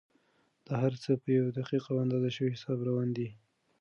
دا هر څه په یو دقیق او اندازه شوي حساب روان دي.